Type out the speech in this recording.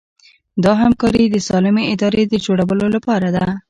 دا همکاري د سالمې ادارې د جوړولو لپاره ده.